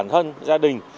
thân gia đình